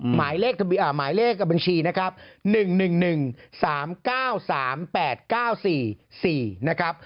หมายเลขหมายเลขกับบัญชีนะครับ๑๑๑๓๙๓๘๙๔๔นะครับ